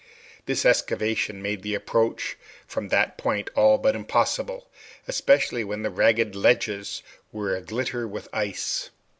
This excavation made the approach from that point all but impossible, especially when the ragged ledges were a glitter with ice.